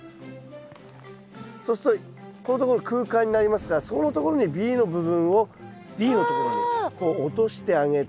そうするとここのところ空間になりますからそこのところにＢの部分をＤのところにこう落としてあげて。